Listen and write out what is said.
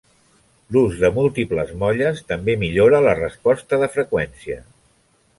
L'ús de múltiples molles també millora la resposta de freqüència.